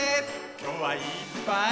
きょうはいっぱい。